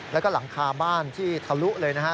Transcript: แล้วก็หลังคาบ้านที่ทะลุเลยนะฮะ